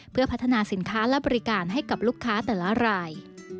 เพื่อพัฒนาสินค้าและบริการให้กับลูกค้าแต่ละราย